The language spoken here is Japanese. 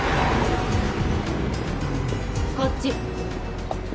こっち。